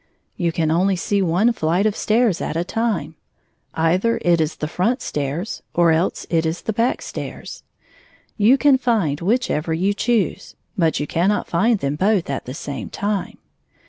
You can only see one flight of stairs at a time; — either it is the front stairs, or else it is the back stairs. You can find whichever you choose, but you cannot find them both at the same time.